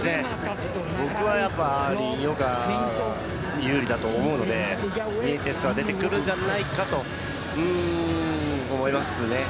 僕はやっぱり井岡有利だと思うので、ニエテスは出てくるんじゃないかと思いますね。